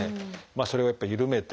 それをやっぱりゆるめて。